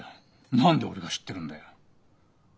何で俺が知ってるんだよ？